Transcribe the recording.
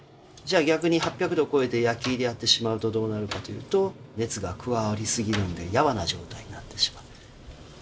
じゃあ逆に８００度超えて焼き入れやってしまうとどうなるかというと熱が加わり過ぎるんでやわな状態になってしまう。